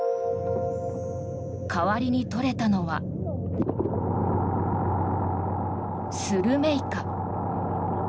代わりに取れたのはスルメイカ。